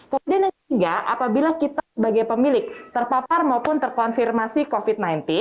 kemudian yang ketiga apabila kita sebagai pemilik terpapar maupun terkonfirmasi covid sembilan belas